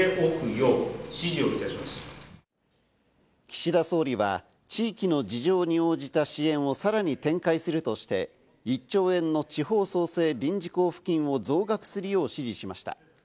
岸田総理は地域の事情に応じた支援をさらに展開するとして、１兆円の地方創生臨時交付金を増額するよう指示しました。